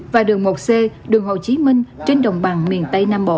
và đường một c đường hồ chí minh trên đồng bằng miền tây nam bộ